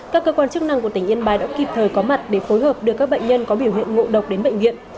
các cơ quan chức năng của tỉnh yên bái đã kịp thời có mặt để phối hợp đưa các bệnh nhân có biểu hiện ngộ độc đến bệnh viện